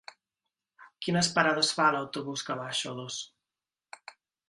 Quines parades fa l'autobús que va a Xodos?